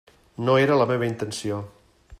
No era la meva intenció.